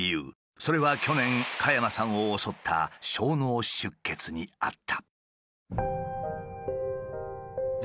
それは去年加山さんを襲った小脳出血にあった。